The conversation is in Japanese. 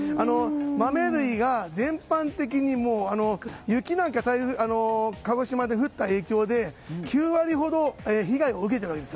豆類が全般的にでして雪が鹿児島で降った影響で９割ほど被害を受けているわけです。